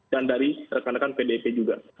dan dari rekan rekan pdp juga